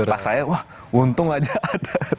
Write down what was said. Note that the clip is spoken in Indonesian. pas saya wah untung aja